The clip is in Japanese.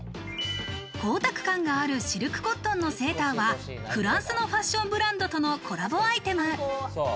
光沢感があるシルクコットンのセーターは、フランスのファッションブランドとのコラボアイテム。